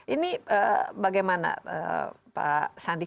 ini bagaimana pak sandi